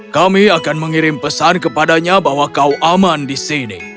kami akan mengirim pesan kepadanya bahwa kau aman di sini